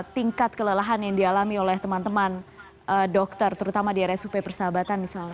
tingkat kelelahan yang dialami oleh teman teman dokter terutama di rsup persahabatan misalnya